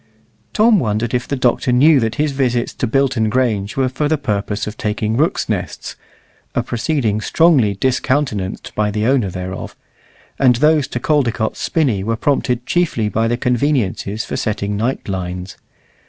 Tom wondered if the Doctor knew that his visits to Bilton Grange were for the purpose of taking rooks' nests (a proceeding strongly discountenanced by the owner thereof), and those to Caldecott's Spinney were prompted chiefly by the conveniences for setting night lines.